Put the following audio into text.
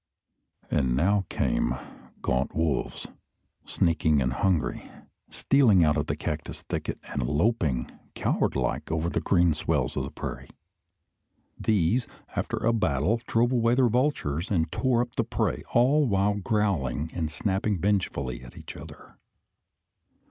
And now came gaunt wolves, sneaking and hungry, stealing out of the cactus thicket, and loping, coward like, over the green swells of the prairie. These, after a battle, drove away the vultures, and tore up the prey, all the while growling and snapping vengefully at each other.